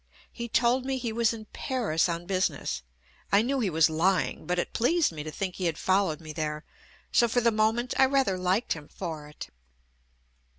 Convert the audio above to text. He told me he was in Paris on business. I *knew he was lying, but it pleased me to think he had followed me there, so for the moment I rather liked him for it.